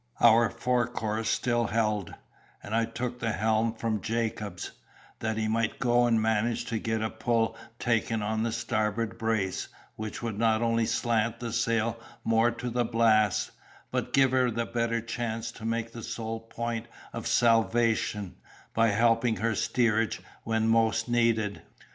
Our fore course still held: and I took the helm from Jacobs, that he might go and manage to get a pull taken on the starboard brace, which would not only slant the sail more to the blasts, but give her the better chance to make the sole point of salvation, by helping her steerage when most needed.